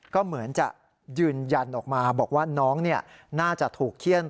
ก็เหมือนจะยืนยันออกมาบอกว่าน้องน่าจะถูกเขี้ยน